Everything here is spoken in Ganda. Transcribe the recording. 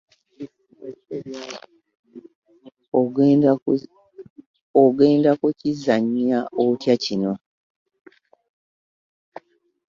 Ogenda kukizannya otya kino?